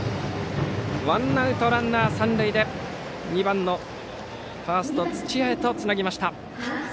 ワンアウトランナー、三塁で２番のファースト、土屋へとつなぎました。